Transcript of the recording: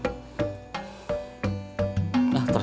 iya tapi jangan dulu dipakai apa apa atutis pak